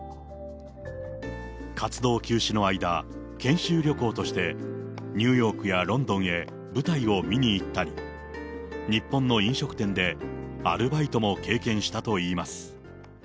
活動休止の間、研修旅行としてニューヨークやロンドンへ舞台を見にいったり、日本の飲食店でアルバイトも経験したといいます。